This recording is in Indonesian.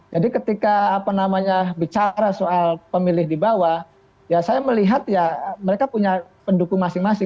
jadi ketika bicara soal pemilih di bawah ya saya melihat ya mereka punya pendukung masing masing